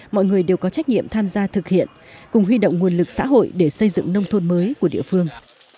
mọi người đều có trách nhiệm tham gia thực hiện cùng huy động nguồn lực xã hội để xây dựng nông thôn mới của địa phương